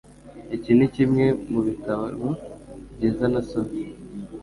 Iki nikimwe mubitabo byiza nasomye.